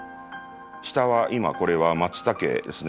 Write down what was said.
下は今これはマツタケですね。